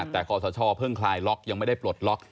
แต่ขอสชเพิ่งคลายล็อกยังไม่ได้ปลดล็อก